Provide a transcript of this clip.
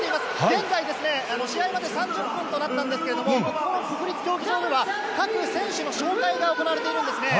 現在、試合まで３０分となったんですけれども、ここの国立競技場では、各選手の紹介が行われているんですね。